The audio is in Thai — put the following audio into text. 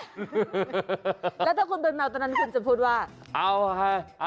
หละถ้าเธอเป็นแมวตอนนั้นอาจจะพูดว่า